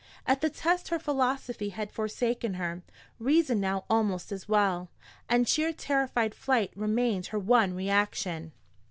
At the test her philosophy had forsaken her, reason now almost as well, and sheer terrified flight remained her one reaction.